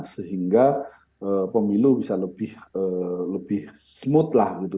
sehingga pemilu bisa lebih smooth lah gitu